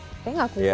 kayaknya nggak kuat ya